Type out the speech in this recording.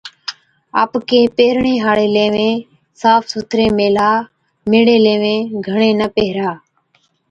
آپڪين پيهرڻي هاڙين ليوين صاف سُٿري ميهلا، ميڙي ليوين گھڻي نہ پيهرا